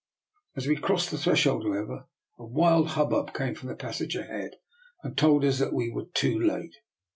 As we crossed the threshold, however, a wild hubbub came from the passage ahead, and told us that we were too late.